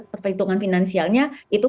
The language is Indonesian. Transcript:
perhitungan finansialnya itu